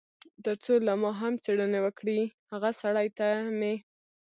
تر څو له ما هم څېړنې وکړي، هغه سړي ته مې.